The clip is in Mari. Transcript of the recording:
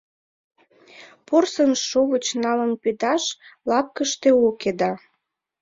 Порсын шовыч налын пидаш лапкыште уке да.